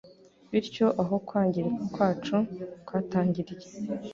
Bityo aho kwangirika kwacu kwatangiriye,